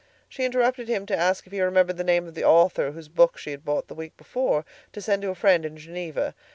She interrupted him to ask if he remembered the name of the author whose book she had bought the week before to send to a friend in Geneva.